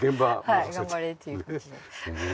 はい頑張れっていう感じで。